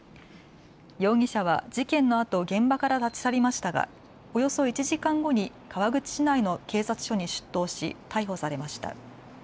容疑者は事件のあと現場から立ち去りましたがおよそ１時間後に川口市内の警察署に出頭し逮捕されました。